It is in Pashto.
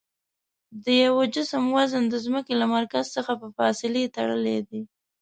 د یوه جسم وزن د ځمکې له مرکز څخه په فاصلې تړلی دی.